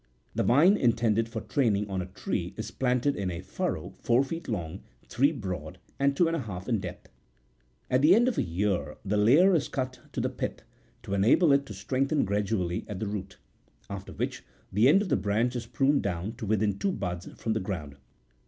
The vine intended for training on a tree is planted in a furrow four feet long, three broad, and two and a half in depth. At the end of a year the layer is cut to the pith, to enable it to strengthen gradually at the root ; after which, the end of the branch is pruned down to within two buds from the ground.